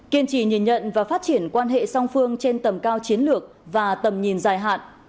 kiên trì nhìn nhận và phát triển quan hệ song phương trên tầm cao chiến lược và tầm nhìn dài hạn